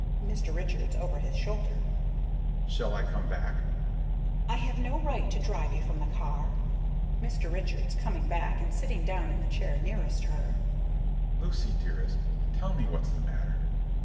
Mr. Richards, over his shoulder: "Shall I come back?" Miss Galbraith: "I have no right to drive you from the car." Mr. Richards, coming back, and sitting down in the chair nearest her: "Lucy, dearest, tell me what's the matter."